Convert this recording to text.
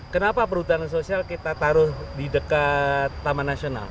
kenapa perhutanan sosial kita taruh di dekat taman nasional